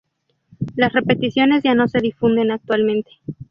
Las repeticiones ya no se difunden actualmente.